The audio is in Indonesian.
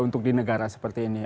untuk di negara seperti ini